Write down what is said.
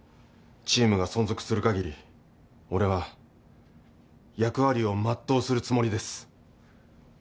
チームが存続する限り俺は役割を全うするつもりです。